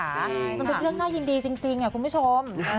มันเป็นเรื่องน่ายินดีจริงคุณผู้ชม